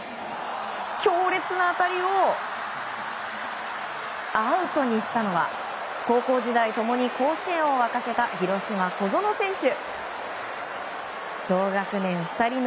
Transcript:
強烈な当たりをアウトにしたのは高校時代、共に甲子園を沸かせた広島の小園選手。